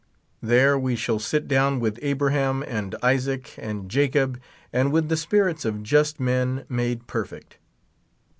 There we shall sit down with Abraham and Isaac and Jacob, and with the spirits of just men made perfect.